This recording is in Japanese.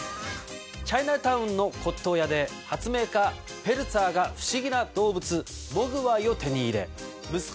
チャイナ・タウンの骨董屋で発明家ペルツァーが不思議な動物モグワイを手に入れ息子